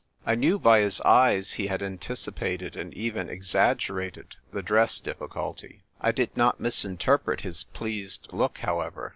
I knew by his eyes he had anticipated and even exaggerated the dress difficulty. I did not misinterpret his pleased look, however.